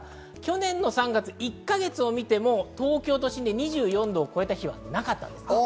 去年の３月の１か月を見ても、東京都心で２４度を超えた日はなかったんです。